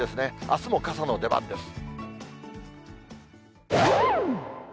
あすも傘の出番です。